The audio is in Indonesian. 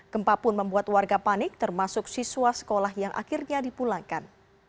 gempa pun membuat warga panik termasuk siswa sekolah yang akhirnya dipulangkan